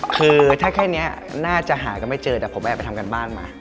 คือถ้าแค่นี้น่าจะหาก็ไม่เจอแต่ผมแอบไปทำการบ้านมา